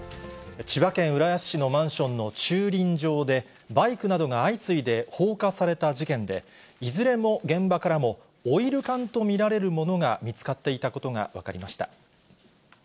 千葉県浦安市のマンションの駐輪場で、バイクなどが相次いで放火された事件で、いずれの現場からもオイル缶と見られるものが見つかっていたことが分かりました。